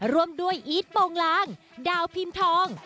ร่วมด้วยอีทโปรงลางดาวพิมพ์ทอง